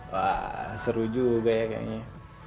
wah seru juga ya kayaknya